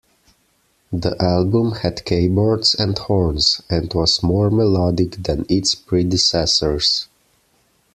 The album had keyboards and horns, and was more melodic than its predecessors.